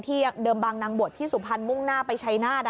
เดิมบางนางบวชที่สุพรรณมุ่งหน้าไปชัยนาธ